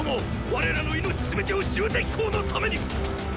我らの命全てを戎公のために！